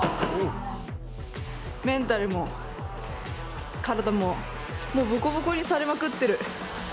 メンタルも体も、もうぼこぼこにされまくってる。